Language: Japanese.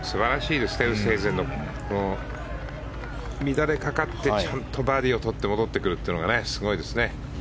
乱れかかってちゃんとバーディーをとって戻ってくるというのがすごいですね。